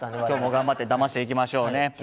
今日も頑張ってだましていきましょうね。